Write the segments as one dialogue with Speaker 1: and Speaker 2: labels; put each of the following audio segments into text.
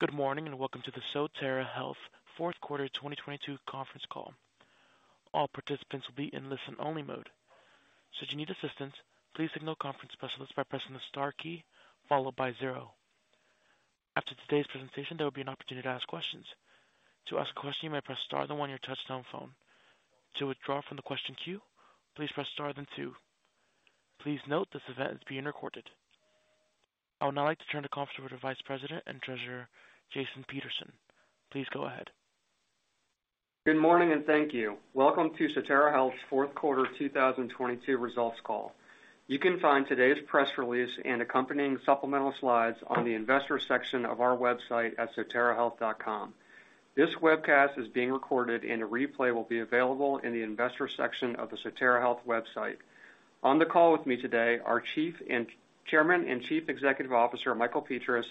Speaker 1: Good morning, welcome to the Sotera Health Fourth Quarter 2022 conference call. All participants will be in listen-only mode. Should you need assistance, please signal conference specialist by pressing the star key followed by zero. After today's presentation, there will be an opportunity to ask questions. To ask a question, you may press star then one on your touch-tone phone. To withdraw from the question queue, please press star then two. Please note this event is being recorded. I would now like to turn the call over to Vice President and Treasurer, Jason Peterson. Please go ahead.
Speaker 2: Good morning, thank you. Welcome to Sotera Health's fourth quarter 2022 results call. You can find today's press release and accompanying supplemental slides on the investor section of our website at soterahealth.com. This webcast is being recorded, a replay will be available in the investor section of the Sotera Health website. On the call with me today are Chairman & Chief Executive Officer, Michael Petras,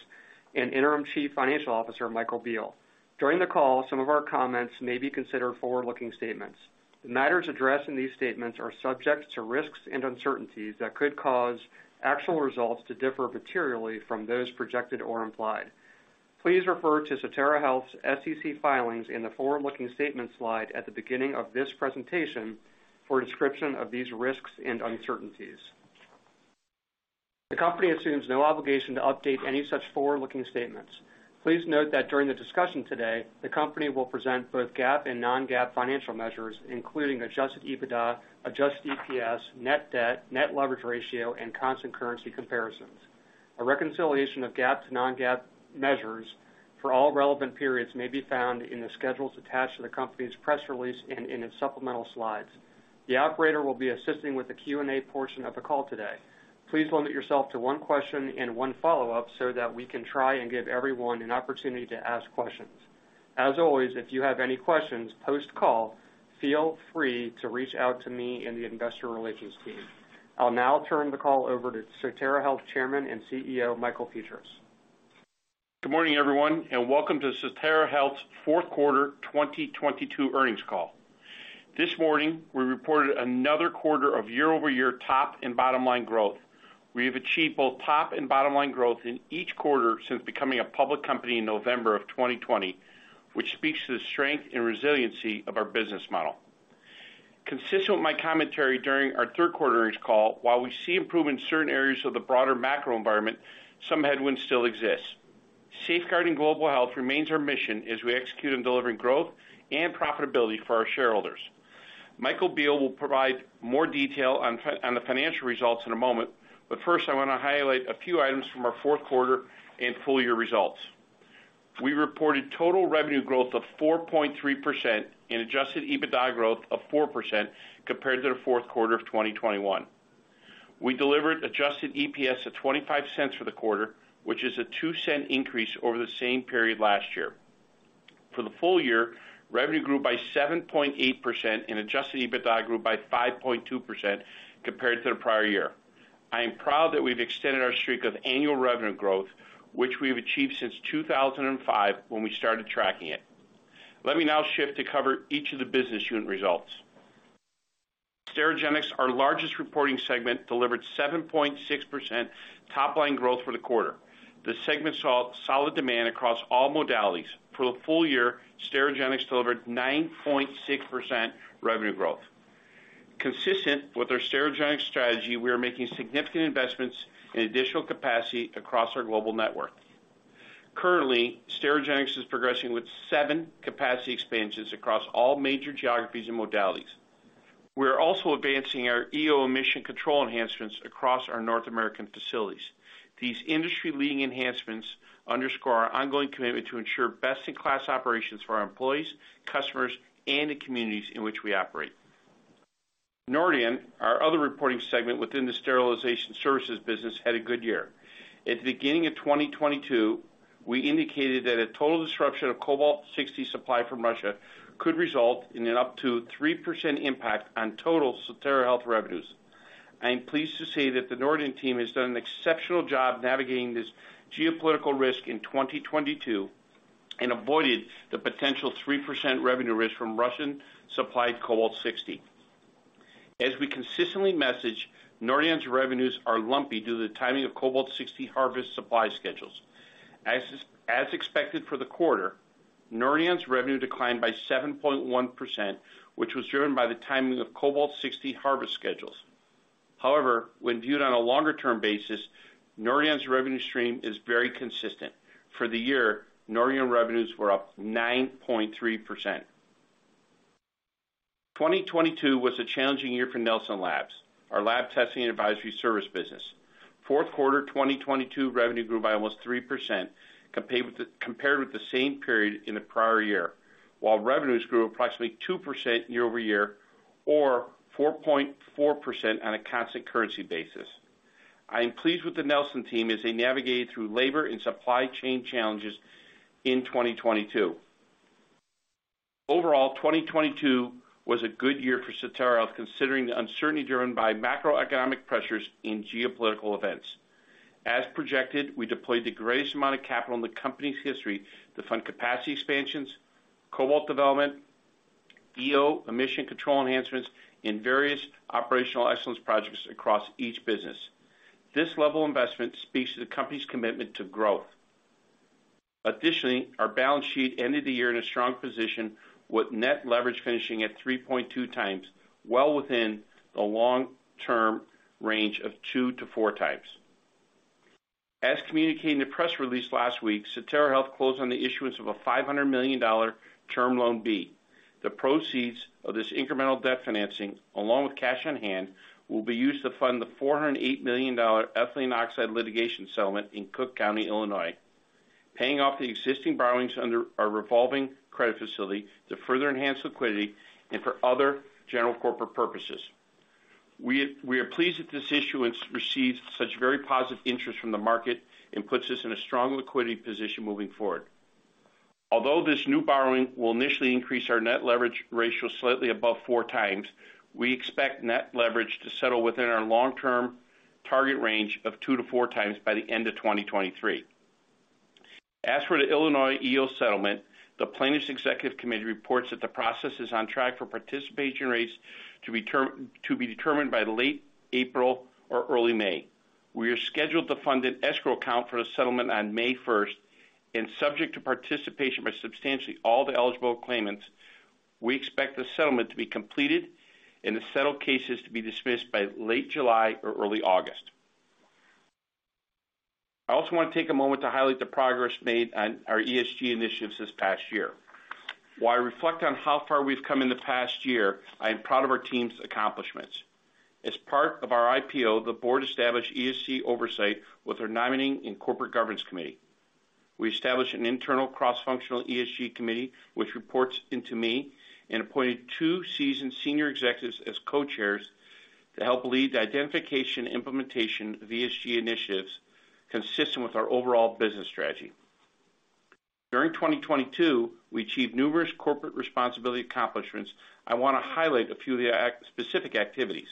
Speaker 2: and Interim Chief Financial Officer, Michael Biehl. During the call, some of our comments may be considered forward-looking statements. The matters addressed in these statements are subject to risks and uncertainties that could cause actual results to differ materially from those projected or implied. Please refer to Sotera Health's SEC filings in the forward looking statement slide at the beginning of this presentation for a description of these risks and uncertainties. The company assumes no obligation to update any such forward-looking statements. Please note that during the discussion today, the company will present both GAAP and non-GAAP financial measures, including adjusted EBITDA, adjusted EPS, net debt, net leverage ratio, and constant currency comparisons. A reconciliation of GAAP to non-GAAP measures for all relevant periods may be found in the schedules attached to the company's press release and in its supplemental slides. The operator will be assisting with the Q&A portion of the call today. Please limit yourself to one question and one follow-up so that we can try and give everyone an opportunity to ask questions. As always, if you have any questions post-call, feel free to reach out to me and the investor relations team. I'll now turn the call over to Sotera Health Chairman and CEO, Michael Petras.
Speaker 3: Good morning, everyone, welcome to Sotera Health's fourth quarter 2022 earnings call. This morning, we reported another quarter of year-over-year top and bottom line growth. We have achieved both top and bottom line growth in each quarter since becoming a public company in November of 2020, which speaks to the strength and resiliency of our business model. Consistent with my commentary during our third quarter earnings call, while we see improvement in certain areas of the broader macro environment, some headwinds still exist. Safeguarding global health remains our mission as we execute on delivering growth and profitability for our shareholders. Michael Biehl will provide more detail on the financial results in a moment, but first, I wanna highlight a few items from our fourth quarter and full year results. We reported total revenue growth of 4.3% and adjusted EBITDA growth of 4% compared to the fourth quarter of 2021. We delivered adjusted EPS of $0.25 for the quarter, which is a $0.02 increase over the same period last year. For the full year, revenue grew by 7.8% and adjusted EBITDA grew by 5.2% compared to the prior year. I am proud that we've extended our streak of annual revenue growth, which we've achieved since 2005 when we started tracking it. Let me now shift to cover each of the business unit results. Sterigenics, our largest reporting segment, delivered 7.6% top line growth for the quarter. The segment saw solid demand across all modalities. For the full year, Sterigenics delivered 9.6% revenue growth. Consistent with our Sterigenics strategy, we are making significant investments in additional capacity across our global network. Currently, Sterigenics is progressing with seven capacity expansions across all major geographies and modalities. We are also advancing our EO emission control enhancements across our North American facilities. These industry-leading enhancements underscore our ongoing commitment to ensure best-in-class operations for our employees, customers, and the communities in which we operate. Nordion, our other reporting segment within the sterilization services business, had a good year. At the beginning of 2022, we indicated that a total disruption of Cobalt-60 supply from Russia could result in an up to 3% impact on total Sotera Health revenues. I am pleased to say that the Nordion team has done an exceptional job navigating this geopolitical risk in 2022 and avoided the potential 3% revenue risk from Russian-supplied Cobalt-60. We consistently message, Nordion's revenues are lumpy due to the timing of Cobalt-60 harvest supply schedules. As expected for the quarter, Nordion's revenue declined by 7.1%, which was driven by the timing of Cobalt-60 harvest schedules. When viewed on a longer-term basis, Nordion's revenue stream is very consistent. For the year, Nordion revenues were up 9.3%. 2022 was a challenging year for Nelson Labs, our lab testing and advisory service business. Fourth quarter 2022 revenue grew by almost 3% compared with the same period in the prior year, while revenues grew approximately 2% year-over-year or 4.4% on a constant currency basis. I am pleased with the Nelson team as they navigated through labor and supply chain challenges in 2022. Overall, 2022 was a good year for Sotera Health considering the uncertainty driven by macroeconomic pressures in geopolitical events. As projected, we deployed the greatest amount of capital in the company's history to fund capacity expansions, Cobalt development-EO emission control enhancements in various operational excellence projects across each business. This level of investment speaks to the company's commitment to growth. Additionally, our balance sheet ended the year in a strong position with net leverage finishing at 3.2x, well within the long-term range of 2x-4x. As communicated in the press release last week, Sotera Health closed on the issuance of a $500 million Term Loan B. The proceeds of this incremental debt financing, along with cash on hand, will be used to fund the $408 million ethylene oxide litigation settlement in Cook County, Illinois, paying off the existing borrowings under our revolving credit facility to further enhance liquidity and for other general corporate purposes. We are pleased that this issuance received such very positive interest from the market and puts us in a strong liquidity position moving forward. Although this new borrowing will initially increase our net leverage ratio slightly above four times, we expect net leverage to settle within our long-term target range of two to four times by the end of 2023. As for the Illinois EO settlement, the Plaintiffs' Executive Committee reports that the process is on track for participation rates to be determined by late April or early May. We are scheduled to fund an escrow account for the settlement on May first, and subject to participation by substantially all the eligible claimants, we expect the settlement to be completed and the settled cases to be dismissed by late July or early August. I also wanna take a moment to highlight the progress made on our ESG initiatives this past year. While I reflect on how far we've come in the past year, I am proud of our team's accomplishments. As part of our IPO, the board established ESG oversight with our Nominating and Corporate Governance Committee. We established an internal cross-functional ESG committee, which reports in to me, and appointed two seasoned senior executives as co-chairs to help lead the identification and implementation of ESG initiatives consistent with our overall business strategy. During 2022, we achieved numerous corporate responsibility accomplishments. I wanna highlight a few of the specific activities.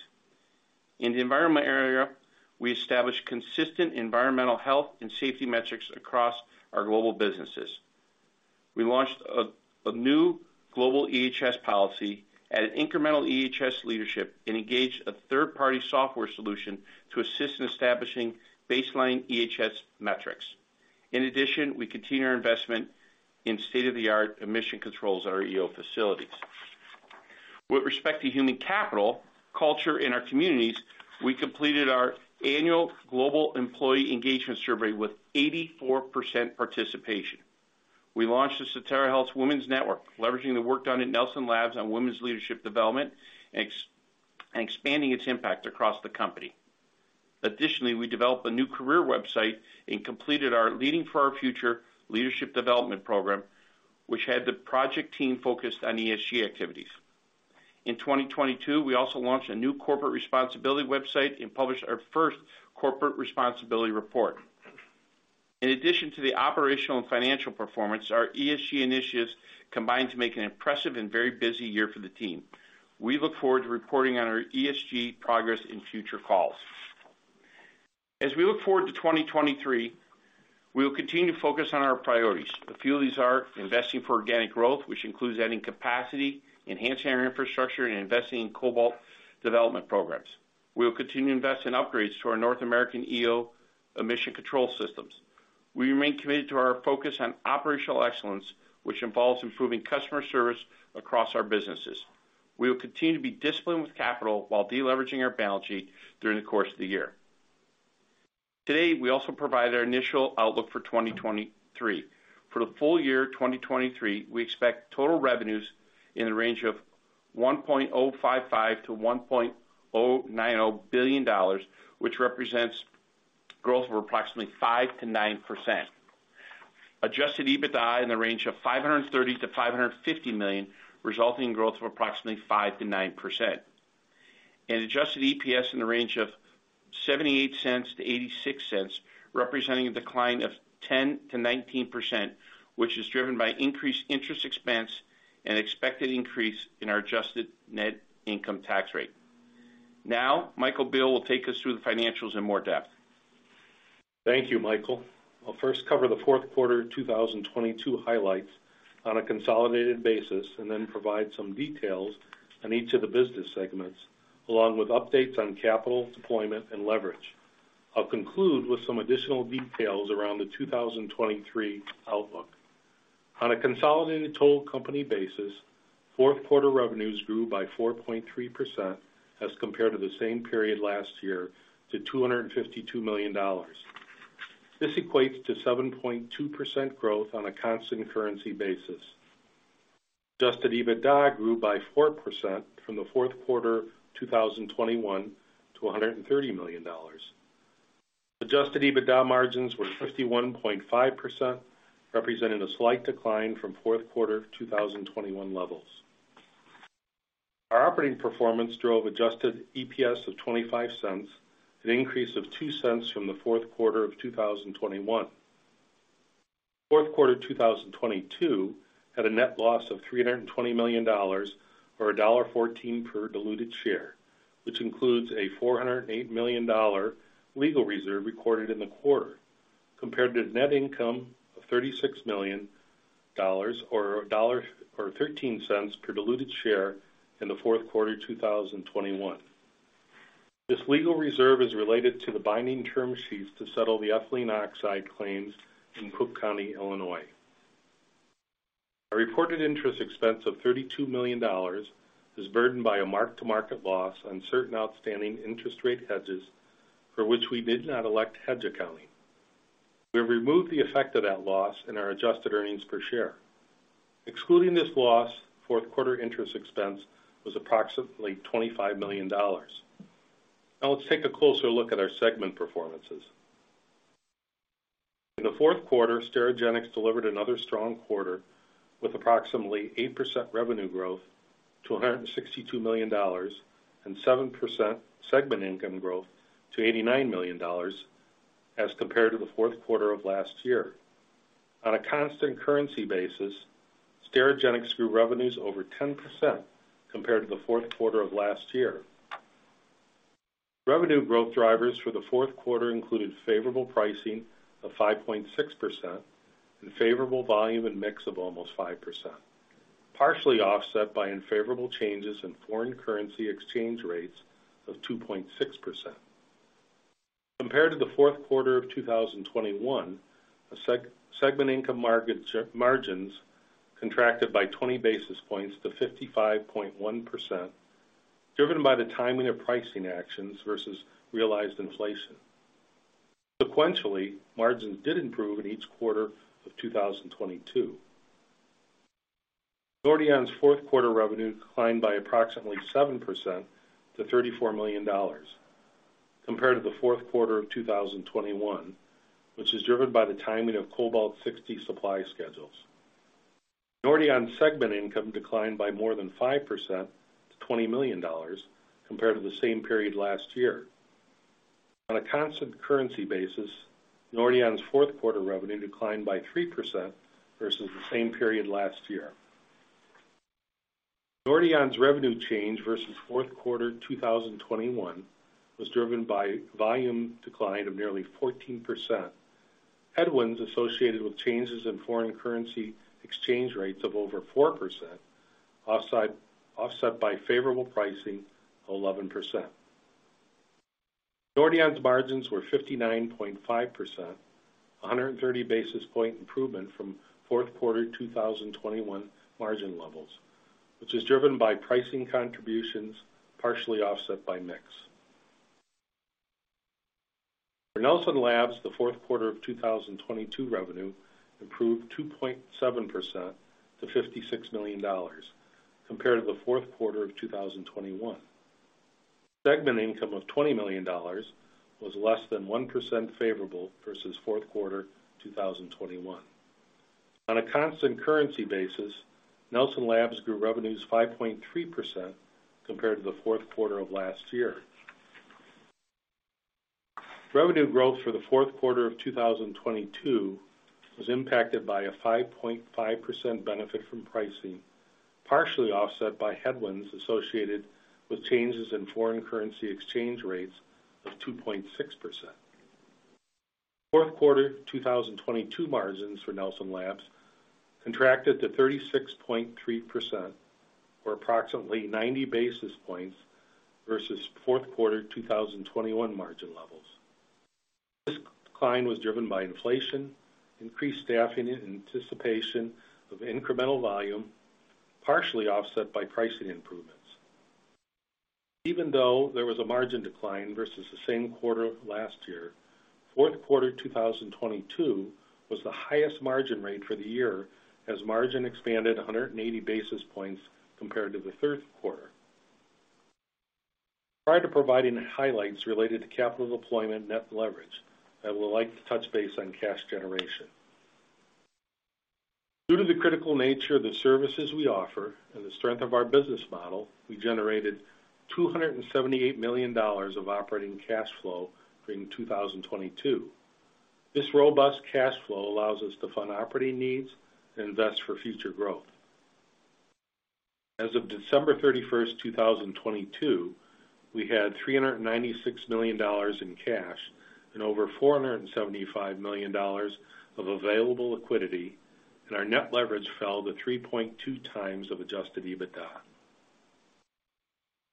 Speaker 3: In the environment area, we established consistent environmental health and safety metrics across our global businesses. We launched a new global EHS policy at an incremental EHS leadership, Engaged a third-party software solution to assist in establishing baseline EHS metrics. In addition, we continue our investment in state-of-the-art emission controls at our EO facilities. With respect to human capital, culture in our communities, we completed our annual global employee engagement survey with 84% participation. We launched the Sotera Health Women's Network, leveraging the work done at Nelson Labs on women's leadership development, and expanding its impact across the company. Additionally, we developed a new career website and completed our Leading For Our Future leadership development program, which had the project team focused on ESG activities. In 2022, we also launched a new corporate responsibility website and published our first corporate responsibility report. In addition to the operational and financial performance, our ESG initiatives combined to make an impressive and very busy year for the team. We look forward to reporting on our ESG progress in future calls. As we look forward to 2023, we will continue to focus on our priorities. A few of these are investing for organic growth, which includes adding capacity, enhancing our infrastructure, and investing in Cobalt-60 development programs. We will continue to invest in upgrades to our North American EO emission control systems. We remain committed to our focus on operational excellence, which involves improving customer service across our businesses. We will continue to be disciplined with capital while de-leveraging our balance sheet during the course of the year. Today, we also provide our initial outlook for 2023. For the full year 2023, we expect total revenues in the range of $1.055 billion-$1.090 billion, which represents growth of approximately 5%-9%. adjusted EBITDA in the range of $530 million-$550 million, resulting in growth of approximately 5%-9%. adjusted EPS in the range of $0.78-$0.86, representing a decline of 10%-19%, which is driven by increased interest expense and expected increase in our adjusted net income tax rate. Now, Michael Biehl will take us through the financials in more depth.
Speaker 4: Thank you, Michael Biehl. I'll first cover the fourth quarter 2022 highlights on a consolidated basis, then provide some details on each of the business segments, along with updates on capital deployment and leverage. I'll conclude with some additional details around the 2023 outlook. On a consolidated total company basis, fourth quarter revenues grew by 4.3% as compared to the same period last year to $252 million. This equates to 7.2% growth on a constant currency basis. Adjusted EBITDA grew by 4% from the fourth quarter 2021 to $130 million. Adjusted EBITDA margins were 51.5%, representing a slight decline from fourth quarter 2021 levels. Our operating performance drove adjusted EPS of $0.25, an increase of $0.02 from the fourth quarter of 2021. Fourth quarter 2022 had a net loss of $320 million or $1.14 per diluted share, which includes a $408 million legal reserve recorded in the quarter. Compared to net income of $36 million or $1.13 per diluted share in the fourth quarter 2021. This legal reserve is related to the binding term sheets to settle the ethylene oxide claims in Cook County, Illinois. A reported interest expense of $32 million is burdened by a mark-to-market loss on certain outstanding interest rate hedges, for which we did not elect hedge accounting. We have removed the effect of that loss in our adjusted earnings per share. Excluding this loss, fourth quarter interest expense was approximately $25 million. Let's take a closer look at our segment performances. In the fourth quarter, Sterigenics delivered another strong quarter with approximately 8% revenue growth to $162 million and 7% segment income growth to $89 million as compared to the fourth quarter of last year. On a constant currency basis, Sterigenics grew revenues over 10% compared to the fourth quarter of last year. Revenue growth drivers for the fourth quarter included favorable pricing of 5.6% and favorable volume and mix of almost 5%, partially offset by unfavorable changes in foreign currency exchange rates of 2.6%. Compared to the fourth quarter of 2021, segment income margins contracted by 20 basis points to 55.1%, driven by the timing of pricing actions versus realized inflation. Sequentially, margins did improve in each quarter of 2022. Nordion's fourth quarter revenue declined by approximately 7% to $34 million compared to the fourth quarter of 2021, which is driven by the timing of Cobalt-60 supply schedules. Nordion segment income declined by more than 5% to $20 million compared to the same period last year. On a constant currency basis, Nordion's fourth quarter revenue declined by 3% versus the same period last year. Nordion's revenue change versus fourth quarter 2021 was driven by volume decline of nearly 14%. Headwinds associated with changes in foreign currency exchange rates of over 4%, offset by favorable pricing of 11%. Nordion's margins were 59.5%, a 130 basis point improvement from fourth quarter 2021 margin levels, which is driven by pricing contributions, partially offset by mix. For Nelson Labs, the fourth quarter of 2022 revenue improved 2.7% to $56 million compared to the fourth quarter of 2021. Segment income of $20 million was less than 1% favorable versus fourth quarter 2021. On a constant currency basis, Nelson Labs grew revenues 5.3% compared to the fourth quarter of last year. Revenue growth for the fourth quarter of 2022 was impacted by a 5.5% benefit from pricing, partially offset by headwinds associated with changes in foreign currency exchange rates of 2.6%. Fourth quarter 2022 margins for Nelson Labs contracted to 36.3% or approximately 90 basis points versus fourth quarter 2021 margin levels. This decline was driven by inflation, increased staffing in anticipation of incremental volume, partially offset by pricing improvements. Even though there was a margin decline versus the same quarter last year, fourth quarter 2022 was the highest margin rate for the year as margin expanded 180 basis points compared to the third quarter. Prior to providing highlights related to capital deployment net leverage, I would like to touch base on cash generation. Due to the critical nature of the services we offer and the strength of our business model, we generated $278 million of operating cash flow during 2022. This robust cash flow allows us to fund operating needs and invest for future growth. As of December 31, 2022, we had $396 million in cash and over $475 million of available liquidity, and our net leverage fell to 3.2x of adjusted EBITDA.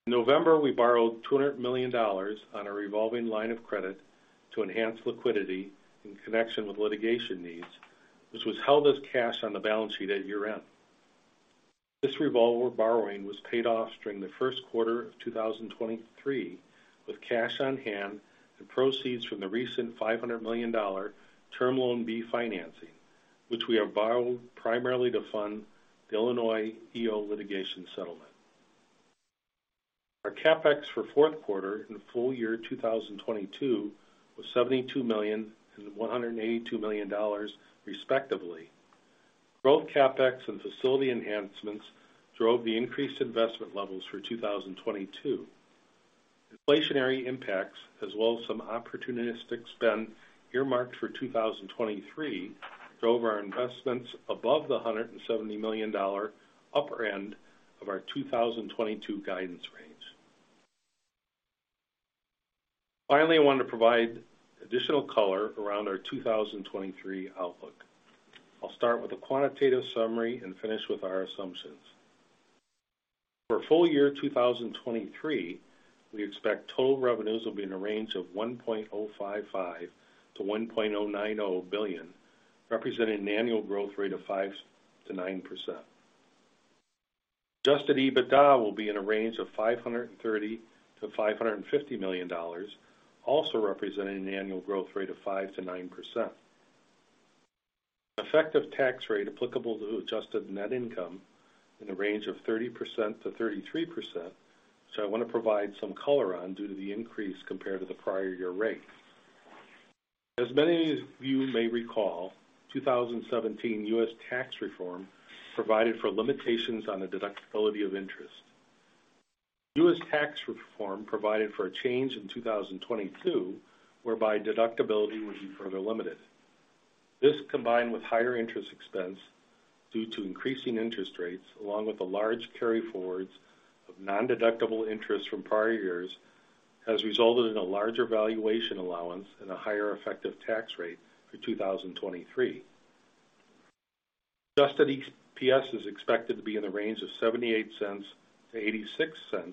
Speaker 4: In November, we borrowed $200 million on a revolving line of credit to enhance liquidity in connection with litigation needs, which was held as cash on the balance sheet at year-end. This revolver borrowing was paid off during the first quarter of 2023 with cash on hand and proceeds from the recent $500 million Term Loan B financing, which we have borrowed primarily to fund the Illinois EO litigation settlement. Our CapEx for fourth quarter and full year 2022 was $72 million and $182 million, respectively. Growth CapEx and facility enhancements drove the increased investment levels for 2022. Inflationary impacts as well as some opportunistic spend earmarked for 2023 drove our investments above the $170 million upper end of our 2022 guidance range. I want to provide additional color around our 2023 outlook. I'll start with a quantitative summary and finish with our assumptions. For full year 2023, we expect total revenues will be in a range of $1.055 billion-$1.090 billion, representing an annual growth rate of 5%-9%. adjusted EBITDA will be in a range of $530 million-$550 million, also representing an annual growth rate of 5%-9%. Effective tax rate applicable to adjusted net income in the range of 30%-33%. I wanna provide some color on due to the increase compared to the prior year rate. As many of you may recall, 2017 U.S. tax reform provided for limitations on the deductibility of interest. U.S. tax reform provided for a change in 2022, whereby deductibility would be further limited. This, combined with higher interest expense due to increasing interest rates, along with the large carry-forwards of nondeductible interest from prior years, has resulted in a larger valuation allowance and a higher effective tax rate for 2023. Adjusted EPS is expected to be in the range of $0.78-$0.86.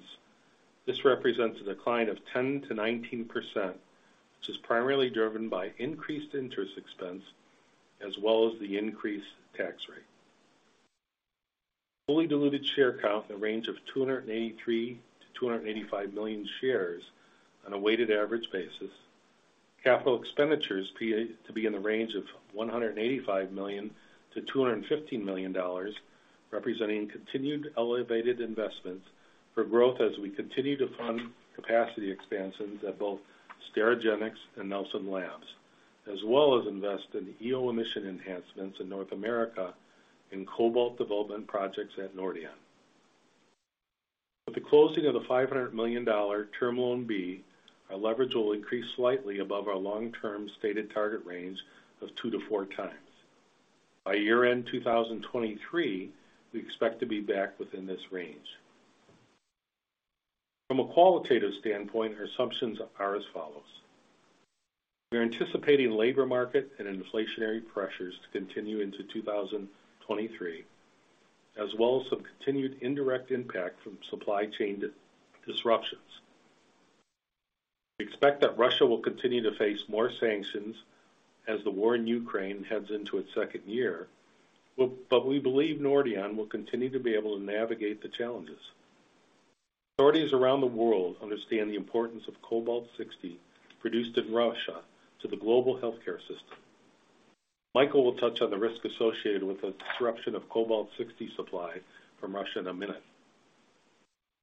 Speaker 4: This represents a decline of 10%-19%, which is primarily driven by increased interest expense as well as the increased tax rate. Fully diluted share count in the range of 283 million-285 million shares on a weighted average basis. Capital expenditures to be in the range of $185 million-$250 million, representing continued elevated investments for growth as we continue to fund capacity expansions at both Sterigenics and Nelson Labs, as well as invest in EO emission enhancements in North America in Cobalt-60 development projects at Nordion. With the closing of the $500 million Term Loan B, our leverage will increase slightly above our long-term stated target range of two-four times. By year-end 2023, we expect to be back within this range. From a qualitative standpoint, our assumptions are as follows. We're anticipating labor market and inflationary pressures to continue into 2023, as well as some continued indirect impact from supply chain disruptions. We expect that Russia will continue to face more sanctions as the war in Ukraine heads into its second year. We believe Nordion will continue to be able to navigate the challenges. Authorities around the world understand the importance of Cobalt-60 produced in Russia to the global healthcare system. Michael will touch on the risk associated with the disruption of Cobalt-60 supply from Russia in a minute.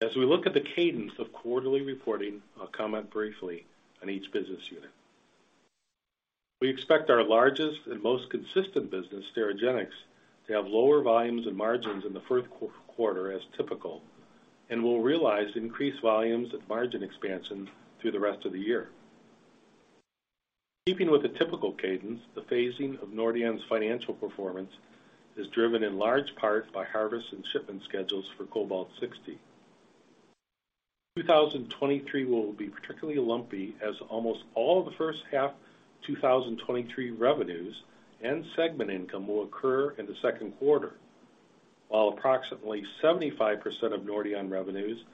Speaker 4: As we look at the cadence of quarterly reporting, I'll comment briefly on each business unit. We expect our largest and most consistent business, Sterigenics, to have lower volumes and margins in the first quarter, as typical, and will realize increased volumes and margin expansion through the rest of the year. Keeping with the typical cadence, the phasing of Nordion's financial performance is driven in large part by harvest and shipment schedules for Cobalt-60. 2023 will be particularly lumpy, as almost all of the first half 2023 revenues and segment income will occur in the second quarter, while approximately 75% of Nordion revenues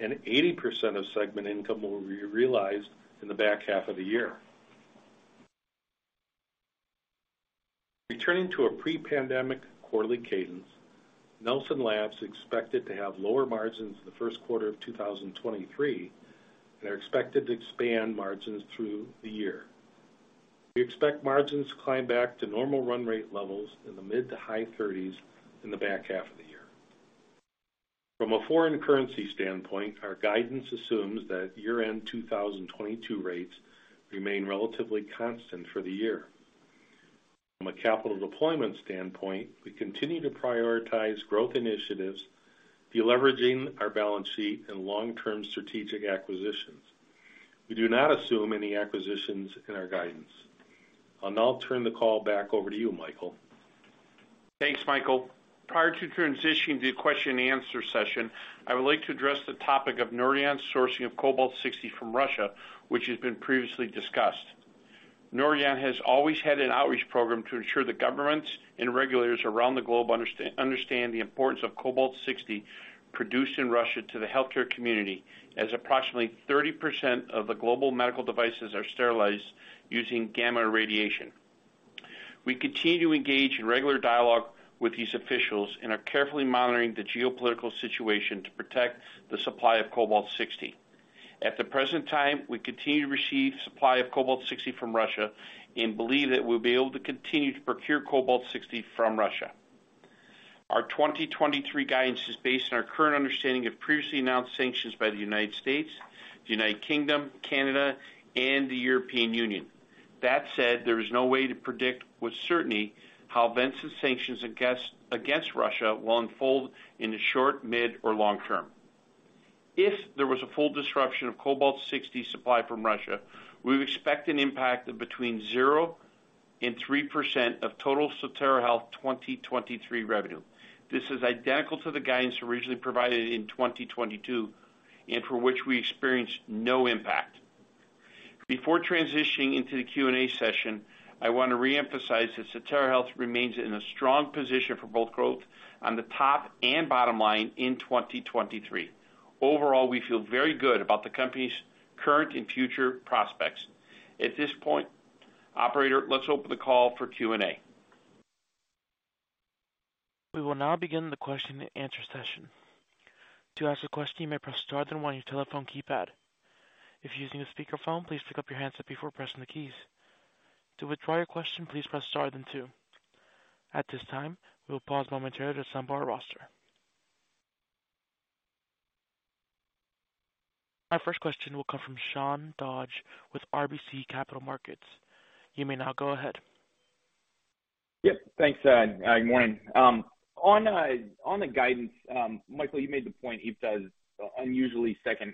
Speaker 4: and 80% of segment income will be realized in the back half of the year. Returning to a pre-pandemic quarterly cadence, Nelson Labs expected to have lower margins in the first quarter of 2023 and are expected to expand margins through the year. We expect margins to climb back to normal run rate levels in the mid to high thirties in the back half of the year. From a foreign currency standpoint, our guidance assumes that year-end 2022 rates remain relatively constant for the year. From a capital deployment standpoint, we continue to prioritize growth initiatives, de-leveraging our balance sheet, and long-term strategic acquisitions. We do not assume any acquisitions in our guidance. I'll now turn the call back over to you, Michael.
Speaker 3: Thanks, Michael. Prior to transitioning to the question and answer session, I would like to address the topic of Nordion's sourcing of Cobalt-60 from Russia, which has been previously discussed. Nordion has always had an outreach program to ensure that governments and regulators around the globe understand the importance of Cobalt-60 produced in Russia to the healthcare community, as approximately 30% of the global medical devices are sterilized using gamma radiation. We continue to engage in regular dialogue with these officials and are carefully monitoring the geopolitical situation to protect the supply of Cobalt-60. At the present time, we continue to receive supply of Cobalt-60 from Russia and believe that we'll be able to continue to procure Cobalt-60 from Russia. Our 2023 guidance is based on our current understanding of previously announced sanctions by the U.S., the U.K., Canada, and the European Union. That said, there is no way to predict with certainty how events and sanctions against Russia will unfold in the short, mid, or long term. If there was a full disruption of Cobalt-60 supply from Russia, we would expect an impact of between 0 and 3% of total Sotera Health 2023 revenue. This is identical to the guidance originally provided in 2022 and for which we experienced no impact. Before transitioning into the Q&A session, I want to reemphasize that Sotera Health remains in a strong position for both growth on the top and bottom line in 2023. Overall, we feel very good about the company's current and future prospects. At this point, operator, let's open the call for Q&A.
Speaker 1: We will now begin the question and answer session. To ask a question, you may press star then one your telephone keypad. If you're using a speakerphone, please pick up your handset before pressing the keys. To withdraw your question, please press star then two. At this time, we will pause momentarily to assemble our roster. Our first question will come from Sean Dodge with RBC Capital Markets. You may now go ahead.
Speaker 5: Yep. Thanks, good morning. On, on the guidance, Michael, you made the point Nelson's unusually second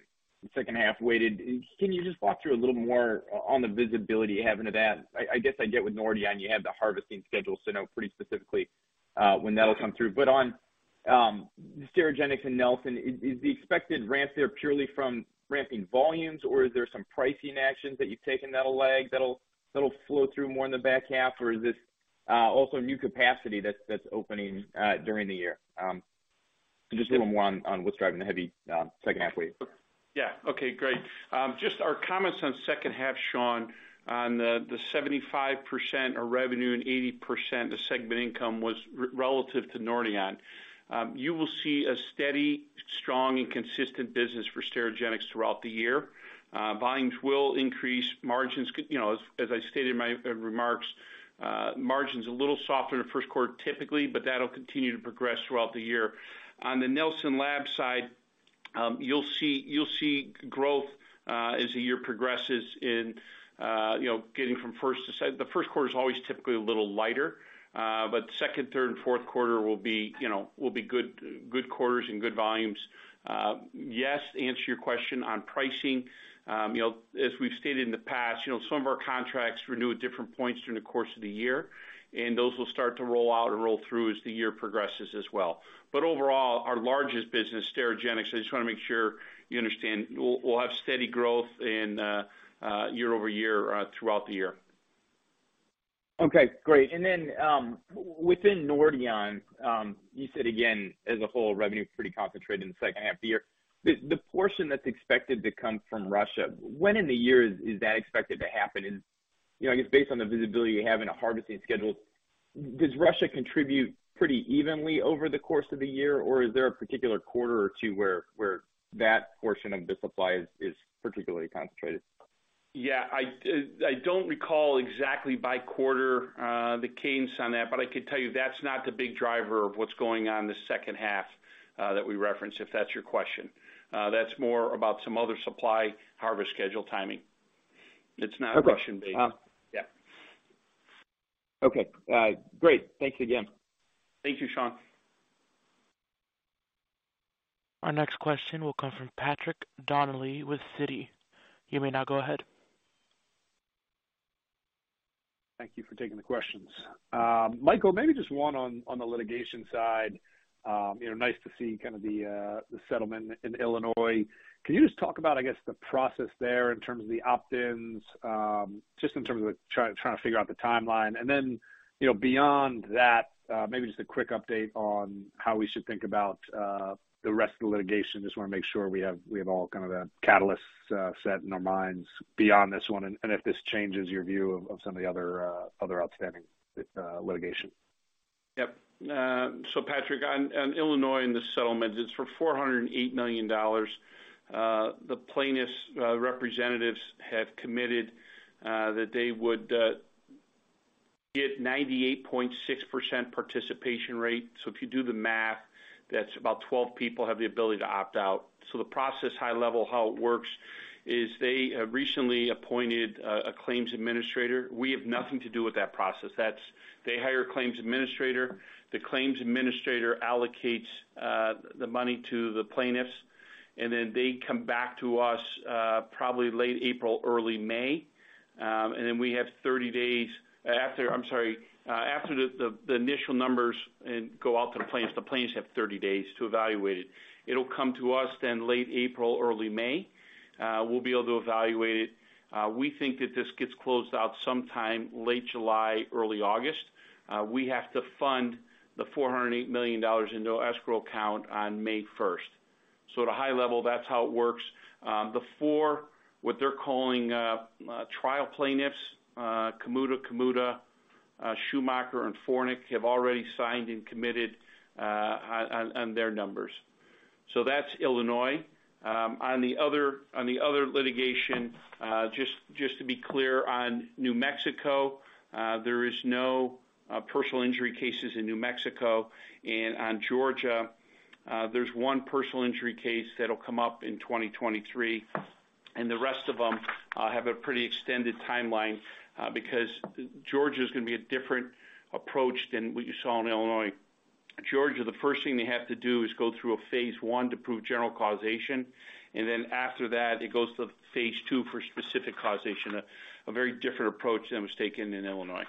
Speaker 5: half weighted. Can you just walk through a little more on the visibility you have into that? I guess I get with Nordion, you have the harvesting schedule, so know pretty specifically when that'll come through. On Sterigenics and Nelson is the expected ramps there purely from ramping volumes or is there some pricing actions that you've taken that'll lag, that'll flow through more in the back half? Is this also new capacity that's opening during the year? Just hit on one on what's driving the heavy second half wave.
Speaker 3: Yeah. Okay, great. Just our comments on second half, Sean, on the 75% of revenue and 80% of segment income was relative to Nordion. You will see a steady, strong and consistent business for Sterigenics throughout the year. Volumes will increase margins. You know, as I stated in my remarks, margins a little softer in the first quarter typically, but that'll continue to progress throughout the year. On the Nelson Labs side, you'll see growth, as the year progresses, you know, getting from first to the first quarter is always typically a little lighter, but second, third and fourth quarter will be, you know, will be good quarters and good volumes. Yes, to answer your question on pricing, you know, as we've stated in the past, you know, some of our contracts renew at different points during the course of the year, and those will start to roll out and roll through as the year progresses as well. Overall, our largest business, Sterigenics, I just wanna make sure you understand, we'll have steady growth in year over year throughout the year.
Speaker 5: Okay, great. Within Nordion, you said again, as a whole revenue is pretty concentrated in the second half of the year. The portion that's expected to come from Russia, when in the year is that expected to happen? You know, I guess based on the visibility you have in a harvesting schedule, does Russia contribute pretty evenly over the course of the year, or is there a particular quarter or two where that portion of the supply is particularly concentrated?
Speaker 3: Yeah, I don't recall exactly by quarter, the cadence on that, but I could tell you that's not the big driver of what's going on in the second half that we referenced, if that's your question. That's more about some other supply harvest schedule timing. It's not-
Speaker 5: Okay.
Speaker 3: Question based. Yeah.
Speaker 5: Okay. great. Thank you again.
Speaker 3: Thank you, Sean.
Speaker 1: Our next question will come from Patrick Donnelly with Citi. You may now go ahead.
Speaker 6: Thank you for taking the questions. Michael, maybe just one on the litigation side. You know, nice to see kind of the settlement in Illinois. Can you just talk about, I guess, the process there in terms of the opt-ins, just in terms of trying to figure out the timeline. Then, you know, beyond that, maybe just a quick update on how we should think about the rest of the litigation. Just wanna make sure we have all kind of the catalysts set in our minds beyond this one, and if this changes your view of some of the other outstanding litigation.
Speaker 3: Yep. Patrick on Illinois and the settlement, it's for $408 million. The Plaintiffs' representatives have committed that they would get 98.6% participation rate. If you do the math, that's about 12 people have the ability to opt out. The process, high level, how it works is they recently appointed a claims administrator. We have nothing to do with that process. They hire a claims administrator. The claims administrator allocates the money to the Plaintiffs, they come back to us probably late April, early May. We have 30 days after... I'm sorry. After the initial numbers go out to the Plaintiffs, the Plaintiffs have 30 days to evaluate it. It'll come to us late April, early May. We'll be able to evaluate it. We think that this gets closed out sometime late July, early August. We have to fund the $408 million into escrow account on May first. At a high level, that's how it works. The four, what they're calling, trial plaintiffs, Kamuda, Schumacher and Fornek, have already signed and committed on their numbers. That's Illinois. On the other litigation, just to be clear, on New Mexico, there is no personal injury cases in New Mexico. On Georgia, there's one personal injury case that'll come up in 2023, and the rest of them, have a pretty extended timeline, because Georgia is gonna be a different approach than what you saw in Illinois. Georgia, the first thing they have to do is go through a phase I to prove general causation, and then after that, it goes to phase II for specific causation. A very different approach than was taken in Illinois.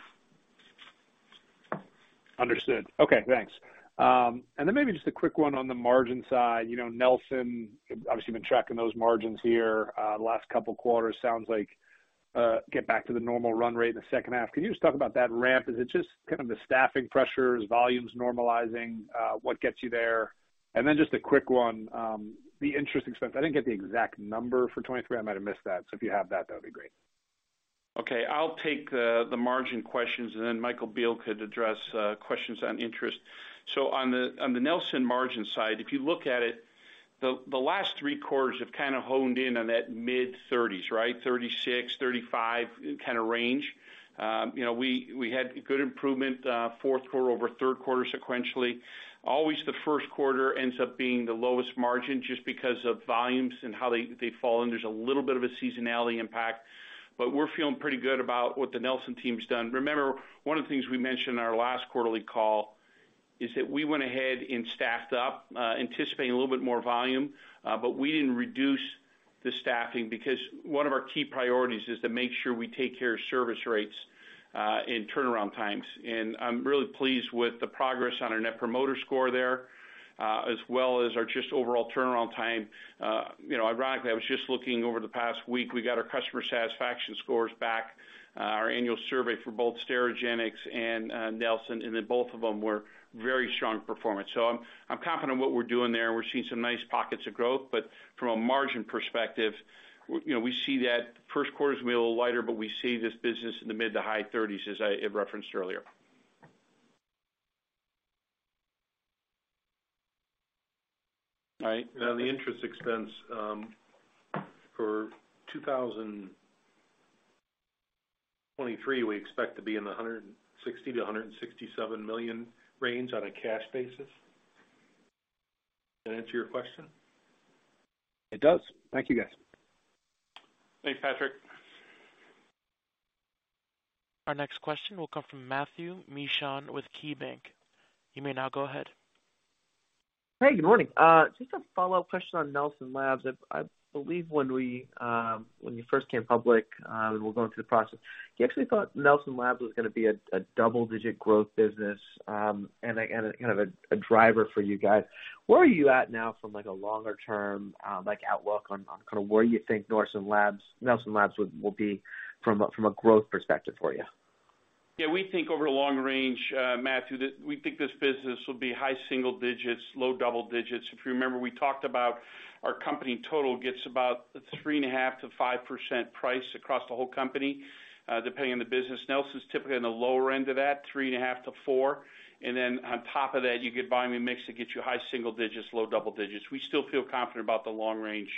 Speaker 6: Understood. Okay, thanks. Maybe just a quick one on the margin side. You know, Nelson, obviously you've been tracking those margins here, the last couple quarters. Sounds like get back to the normal run rate in the second half. Can you just talk about that ramp? Is it just kind of the staffing pressures, volumes normalizing, what gets you there? Just a quick one, the interest expense. I didn't get the exact number for 23. I might have missed that. If you have that would be great.
Speaker 3: Okay. I'll take the margin questions, and then Michael Biehl could address questions on interest. On the Nelson margin side, if you look at it, the last three quarters have kind of honed in on that mid-thirties, right? 36, 35 kind of range. You know, we had good improvement, fourth quarter over third quarter sequentially. Always the first quarter ends up being the lowest margin just because of volumes and how they fall, and there's a little bit of a seasonality impact. We're feeling pretty good about what the Nelson team's done. Remember, one of the things we mentioned in our last quarterly call is that we went ahead and staffed up, anticipating a little bit more volume, but we didn't reduce the staffing because one of our key priorities is to make sure we take care of service rates, and turnaround times. I'm really pleased with the progress on our Net Promoter Score there, as well as our just overall turnaround time. You know, ironically, I was just looking over the past week. We got our customer satisfaction scores back, our annual survey for both Sterigenics and Nelson, both of them were very strong performance. I'm confident what we're doing there, we're seeing some nice pockets of growth. From a margin perspective, you know, we see that first quarter is going to be a little lighter, but we see this business in the mid to high thirties, as I referenced earlier.
Speaker 6: All right.
Speaker 4: The interest expense, for 2023, we expect to be in the $160 million-$167 million range on a cash basis. That answer your question?
Speaker 6: It does. Thank you, guys.
Speaker 3: Thanks, Patrick.
Speaker 1: Our next question will come from Matthew Mishan with KeyBanc. You may now go ahead.
Speaker 7: Hey, good morning. Just a follow-up question on Nelson Labs. I believe when we, when you first came public, we were going through the process, you actually thought Nelson Labs was gonna be a double-digit growth business, and a kind of a driver for you guys. Where are you at now from like a longer term, like outlook on kind of where you think Nelson Labs will be from a growth perspective for you?
Speaker 3: Yeah, we think over the long range, Matthew, we think this business will be high single digits, low double digits. If you remember, we talked about our company total gets about 3.5%-5% price across the whole company, depending on the business. Nelson's typically on the lower end of that, 3.5%-4%. Then on top of that, you get volume and mix that gets you high single digits, low double digits. We still feel confident about the long range,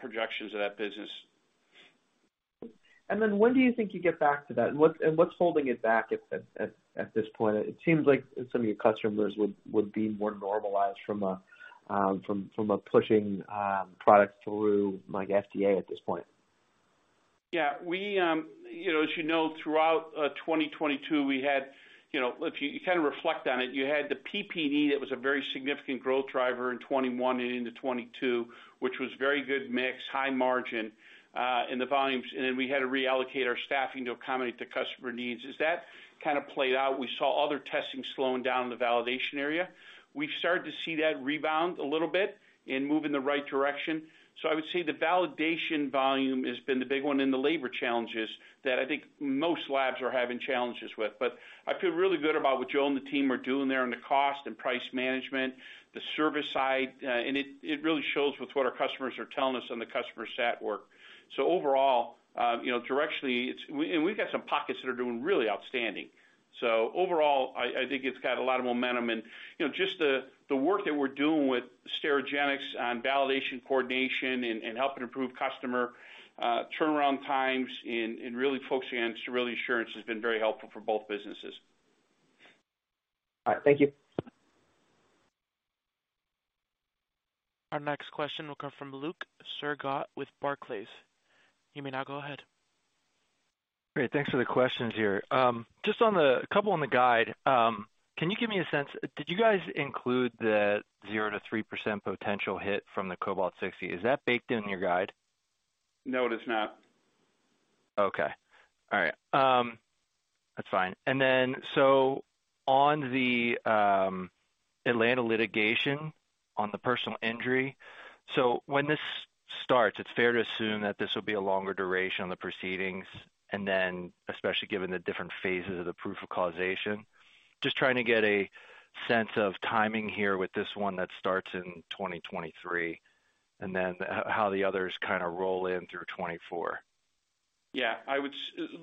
Speaker 3: projections of that business.
Speaker 7: When do you think you get back to that? What's holding it back at this point? It seems like some of your customers would be more normalized from a pushing product through like FDA at this point.
Speaker 3: Yeah. We, you know, as you know, throughout 2022, we had, you know, if you kind of reflect on it, you had the PPE that was a very significant growth driver in 2021 and into 2022, which was very good mix, high margin, and the volumes. Then we had to reallocate our staffing to accommodate the customer needs. As that kind of played out, we saw other testing slowing down in the validation area. We've started to see that rebound a little bit and move in the right direction. I would say the validation volume has been the big one and the labor challenges that I think most labs are having challenges with. I feel really good about what Joel and the team are doing there on the cost and price management, the service side. It, it really shows with what our customers are telling us on the customer sat work. Overall, you know, directionally, it's. We've got some pockets that are doing really outstanding. Overall, I think it's got a lot of momentum and, you know, just the work that we're doing with Sterigenics on validation, coordination and helping improve customer, turnaround times and really focusing on sterility assurance has been very helpful for both businesses.
Speaker 7: All right. Thank you.
Speaker 1: Our next question will come from Luke Sergott with Barclays. You may now go ahead.
Speaker 8: Great. Thanks for the questions here. just on the... couple on the guide. Can you give me a sense, did you guys include the 0%-3% potential hit from the Cobalt-60? Is that baked in your guide?
Speaker 3: No, it is not.
Speaker 8: Okay. All right. That's fine. On the Atlanta litigation on the personal injury. When this starts, it's fair to assume that this will be a longer duration on the proceedings. Especially given the different phases of the proof of causation. Just trying to get a sense of timing here with this one that starts in 2023. How the others kind of roll in through 2024.
Speaker 3: Yeah, I would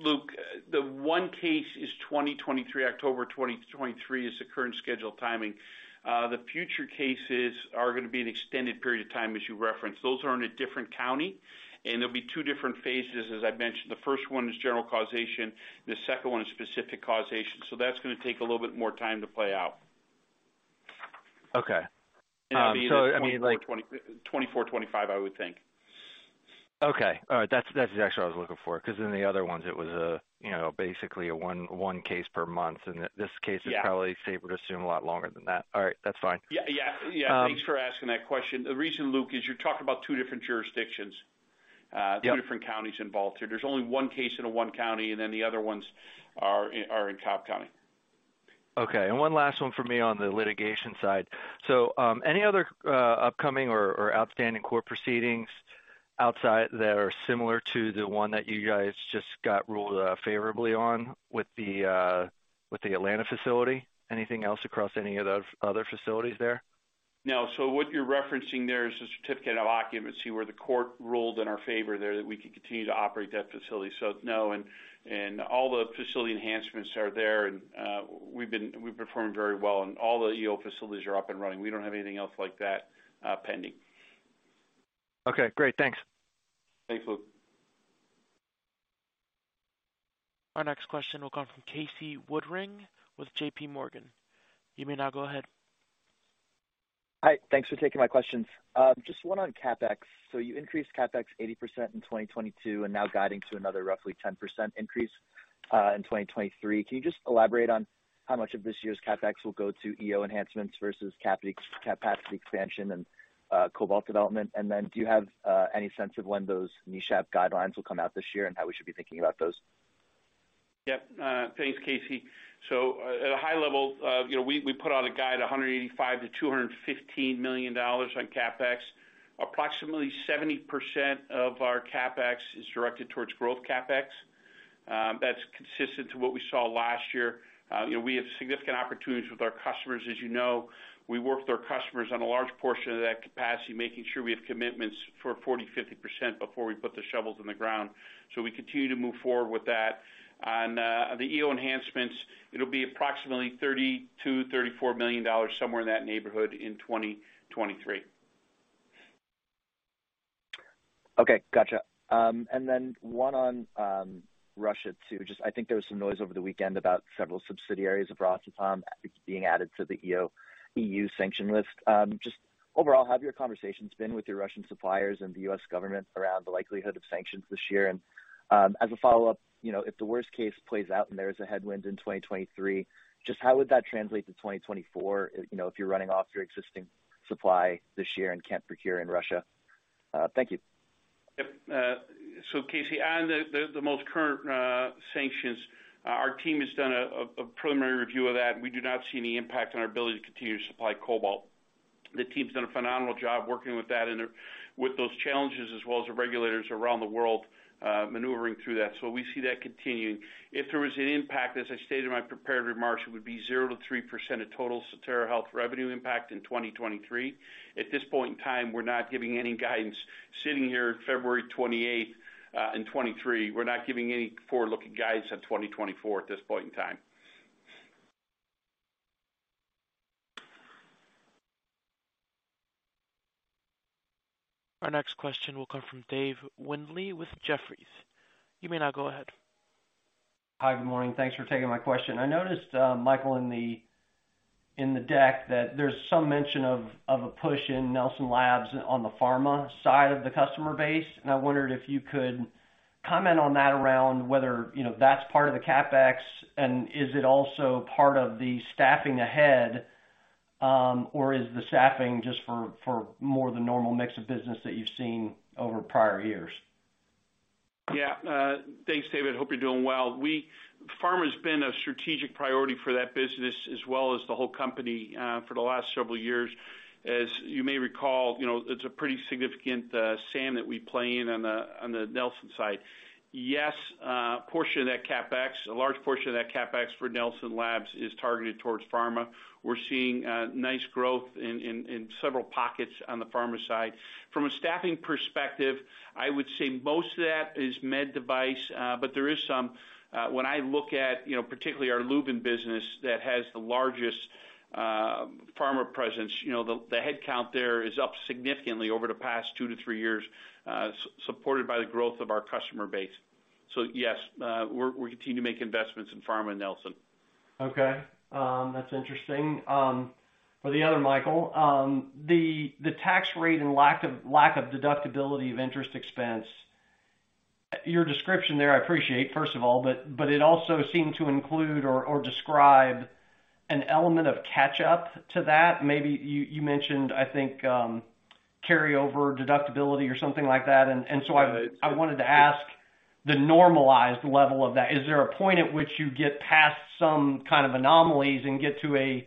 Speaker 3: Luke, the one case is 2023. October 2023 is the current scheduled timing. The future cases are gonna be an extended period of time, as you referenced. Those are in a different county, and there'll be two different phases, as I mentioned. The first one is general causation, and the second one is specific causation. That's gonna take a little bit more time to play out.
Speaker 8: Okay. I mean,
Speaker 3: 24, 25, I would think.
Speaker 8: Okay. All right. That's actually what I was looking for, because in the other ones it was a, you know, basically a one case per month, and this case...
Speaker 3: Yeah
Speaker 8: is probably safer to assume a lot longer than that. All right, that's fine.
Speaker 3: Yeah. Yeah. Yeah.
Speaker 8: Um-
Speaker 3: Thanks for asking that question. The reason, Luke, is you're talking about two different jurisdictions.
Speaker 8: Yep.
Speaker 3: 2 different counties involved here. There's only one case in one county. The other ones are in Cobb County.
Speaker 8: Okay. One last one for me on the litigation side. Any other upcoming or outstanding court proceedings outside that are similar to the one that you guys just got ruled favorably on with the Atlanta facility? Anything else across any of the other facilities there?
Speaker 3: No. What you're referencing there is a certificate of occupancy, where the court ruled in our favor there that we could continue to operate that facility. No, and all the facility enhancements are there and we've performed very well and all the EO facilities are up and running. We don't have anything else like that pending.
Speaker 8: Okay, great. Thanks.
Speaker 3: Thanks, Luke.
Speaker 1: Our next question will come from Casey Woodring with JPMorgan. You may now go ahead.
Speaker 9: Hi. Thanks for taking my questions. Just one on CapEx. You increased CapEx 80% in 2022 and now guiding to another roughly 10% increase in 2023. Can you just elaborate on how much of this year's CapEx will go to EO enhancements versus capacity expansion and cobalt development? Do you have any sense of when those NESHAP guidelines will come out this year and how we should be thinking about those?
Speaker 3: Yeah. Thanks, Casey. At a high level, you know, we put out a guide $185 million-$215 million on CapEx. Approximately 70% of our CapEx is directed towards growth CapEx. That's consistent to what we saw last year. You know, we have significant opportunities with our customers. As you know, we work with our customers on a large portion of that capacity, making sure we have commitments for 40%, 50% before we put the shovels in the ground. We continue to move forward with that. On the EO enhancements, it'll be approximately $32 million-$34 million, somewhere in that neighborhood in 2023.
Speaker 9: Okay. Gotcha. Then one on Russia too. I think there was some noise over the weekend about several subsidiaries of Rosatom being added to the EU sanction list. Overall, how have your conversations been with your Russian suppliers and the U.S. government around the likelihood of sanctions this year? As a follow-up, you know, if the worst case plays out and there is a headwind in 2023, just how would that translate to 2024, you know, if you're running off your existing supply this year and can't procure in Russia? Thank you.
Speaker 3: Yep. Casey, on the most current sanctions, our team has done a preliminary review of that. We do not see any impact on our ability to continue to supply cobalt. The team's done a phenomenal job working with that and with those challenges as well as the regulators around the world, maneuvering through that. We see that continuing. If there was an impact, as I stated in my prepared remarks, it would be 0%-3% of total Sotera Health revenue impact in 2023. At this point in time, we're not giving any guidance. Sitting here February 28th, in 2023, we're not giving any forward-looking guidance on 2024 at this point in time.
Speaker 1: Our next question will come from Dave Windley with Jefferies. You may now go ahead.
Speaker 10: Hi. Good morning. Thanks for taking my question. I noticed, Michael, in the deck that there's some mention of a push in Nelson Labs on the pharma side of the customer base, and I wondered if you could comment on that around whether, you know, that's part of the CapEx and is it also part of the staffing ahead, or is the staffing just for more the normal mix of business that you've seen over prior years?
Speaker 3: Thanks, David. Hope you're doing well. Pharma's been a strategic priority for that business as well as the whole company for the last several years. As you may recall, you know, it's a pretty significant sand that we play in on the Nelson side. Yes, a portion of that CapEx, a large portion of that CapEx for Nelson Labs is targeted towards pharma. We're seeing nice growth in several pockets on the pharma side. From a staffing perspective, I would say most of that is med device, but there is some, when I look at, you know, particularly our Louvain business that has the largest pharma presence, you know, the headcount there is up significantly over the past two to three years, supported by the growth of our customer base. Yes, we continue to make investments in pharma and Nelson.
Speaker 10: Okay. That's interesting. For the other Michael, the tax rate and lack of deductibility of interest expense, your description there, I appreciate, first of all, but it also seemed to include or describe an element of catch-up to that. Maybe you mentioned, I think, carryover deductibility or something like that.
Speaker 4: Yeah.
Speaker 10: I wanted to ask the normalized level of that. Is there a point at which you get past some kind of anomalies and get to a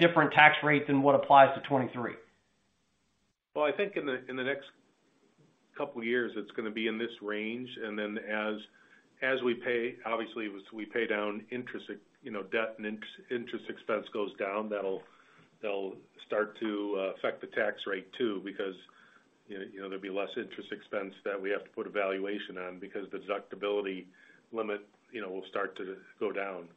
Speaker 10: different tax rate than what applies to 23?
Speaker 4: Well, I think in the next couple years, it's gonna be in this range. Then as we pay, obviously, as we pay down interest, you know, debt and interest expense goes down, that'll start to affect the tax rate too because, you know, there'll be less interest expense that we have to put a valuation on because the deductibility limit, you know, will start to go down.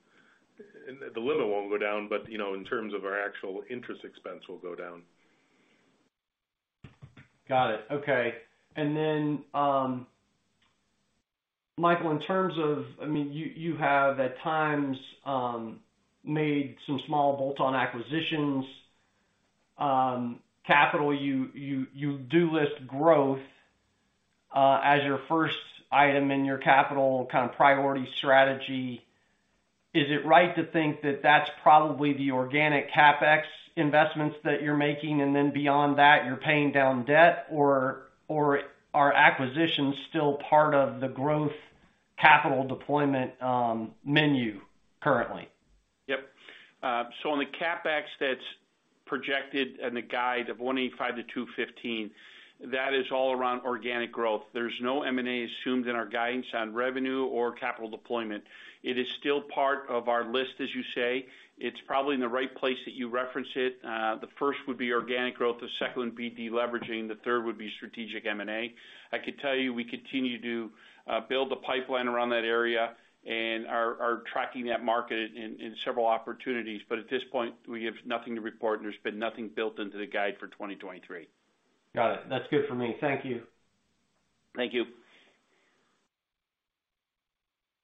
Speaker 4: The limit won't go down, but, you know, in terms of our actual interest expense will go down.
Speaker 10: Got it. Okay. Then, Michael, in terms of, I mean, you have at times, made some small bolt-on acquisitions. Capital, you do list growth, as your first item in your capital kind of priority strategy. Is it right to think that that's probably the organic CapEx investments that you're making, and then beyond that, you're paying down debt or are acquisitions still part of the growth capital deployment, menu currently?
Speaker 3: Yep. On the CapEx that's projected and the guide of $185-$215, that is all around organic growth. There's no M&A assumed in our guidance on revenue or capital deployment. It is still part of our list, as you say. It's probably in the right place that you reference it. The first would be organic growth. The second would be de-leveraging. The third would be strategic M&A. I could tell you, we continue to build the pipeline around that area and are tracking that market in several opportunities. At this point, we have nothing to report, and there's been nothing built into the guide for 2023.
Speaker 10: Got it. That's good for me. Thank you.
Speaker 3: Thank you.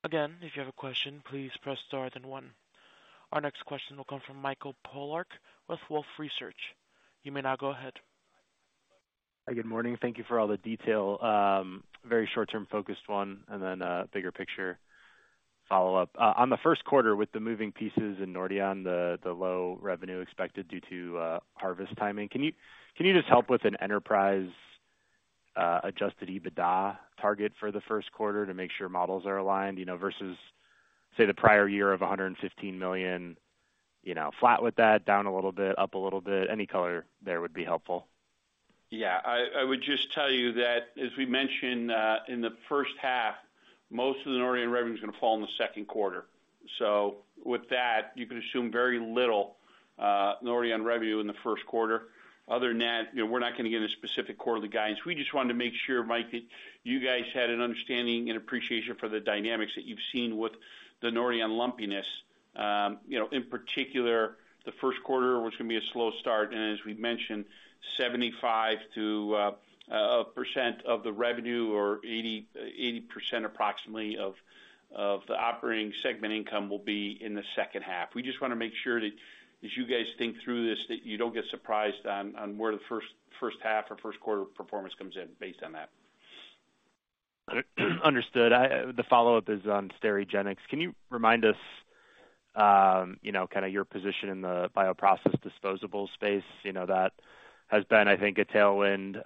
Speaker 1: Again, if you have a question, please press star then one. Our next question will come from Mike Polark with Wolfe Research. You may now go ahead.
Speaker 11: Hi, good morning. Thank you for all the detail. very short-term focused one and then a bigger picture follow-up. On the first quarter with the moving pieces in Nordion, the low revenue expected due to harvest timing, can you just help with an enterprise adjusted EBITDA target for the first quarter to make sure models are aligned, you know, versus, say, the prior year of $115 million, you know, flat with that, down a little bit, up a little bit? Any color there would be helpful.
Speaker 3: Yeah. I would just tell you that as we mentioned, in the first half, most of the Nordion revenue is gonna fall in the second quarter. With that, you can assume very little Nordion revenue in the first quarter. Other than that, you know, we're not gonna give the specific quarterly guidance. We just wanted to make sure, Mike, that you guys had an understanding and appreciation for the dynamics that you've seen with the Nordion lumpiness. You know, in particular, the first quarter was gonna be a slow start. As we've mentioned, 75%-80% approximately of the operating segment income will be in the second half. We just wanna make sure that as you guys think through this, that you don't get surprised on where the first half or first quarter performance comes in based on that.
Speaker 11: Understood. The follow-up is on Sterigenics. Can you remind us, you know, kinda your position in the bioprocess disposable space? You know, that has been, I think, a tailwind,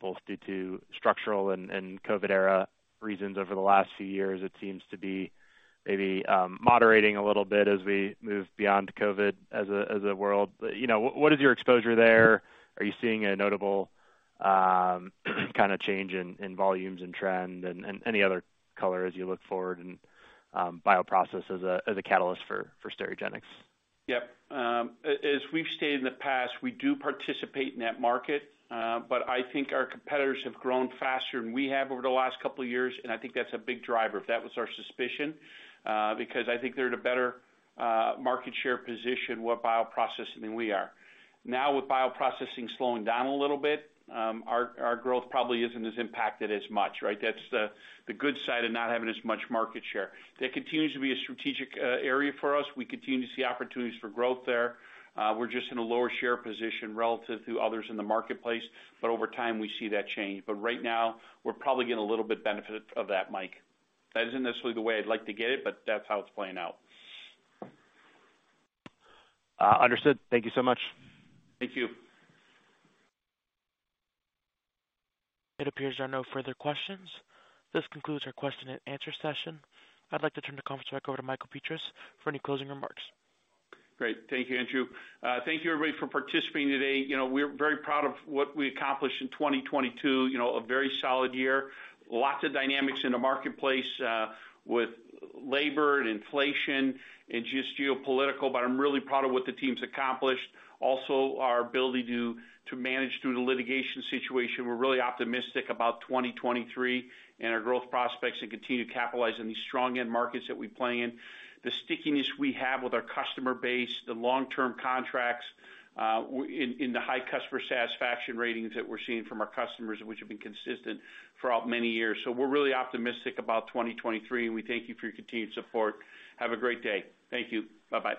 Speaker 11: both due to structural and COVID-era reasons over the last few years. It seems to be maybe, moderating a little bit as we move beyond COVID as a, as a world. You know, what is your exposure there? Are you seeing a notable, kind of change in volumes and trend and, any other color as you look forward and, bioprocess as a, as a catalyst for Sterigenics?
Speaker 3: Yep. As we've stated in the past, we do participate in that market. I think our competitors have grown faster than we have over the last couple of years, and I think that's a big driver. That was our suspicion, because I think they're in a better, market share position with bioprocessing than we are. Now with bioprocessing slowing down a little bit, our growth probably isn't as impacted as much, right? That's the good side of not having as much market share. That continues to be a strategic, area for us. We continue to see opportunities for growth there. We're just in a lower share position relative to others in the marketplace. Over time, we see that change. Right now, we're probably getting a little bit benefit of that, Mike. That isn't necessarily the way I'd like to get it, but that's how it's playing out.
Speaker 11: Understood. Thank you so much.
Speaker 3: Thank you.
Speaker 1: It appears there are no further questions. This concludes our question and answer session. I'd like to turn the conference back over to Michael Petras for any closing remarks.
Speaker 3: Great. Thank you, Andrew. Thank you, everybody, for participating today. You know, we're very proud of what we accomplished in 2022, you know, a very solid year. Lots of dynamics in the marketplace, with labor and inflation and just geopolitical, but I'm really proud of what the team's accomplished. Also, our ability to manage through the litigation situation. We're really optimistic about 2023 and our growth prospects and continue to capitalize on these strong end markets that we play in. The stickiness we have with our customer base, the long-term contracts, in the high customer satisfaction ratings that we're seeing from our customers, which have been consistent throughout many years. We're really optimistic about 2023, and we thank you for your continued support. Have a great day. Thank you. Bye-bye.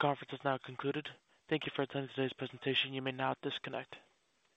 Speaker 1: The conference is now concluded. Thank you for attending today's presentation. You may now disconnect.